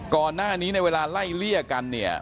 ก่อนหน้านี้ในเวลาไล่เลี่ยกันเนี่ย